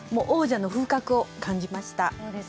王者の風格を感じました